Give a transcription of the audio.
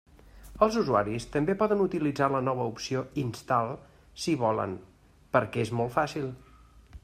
Els usuaris també poden utilitzar la nova opció “instal” si volen, perquè és molt fàcil.